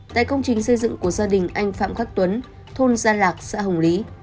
tại công trình xây dựng của gia đình anh phạm khắc tuấn thôn gia lạc xã hồng lý